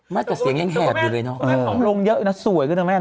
มันแต่เสียงยังแหบอยู่เลยเนอะมันทำผอมลงเยอะนะสวยขึ้นแล้วแม่นะ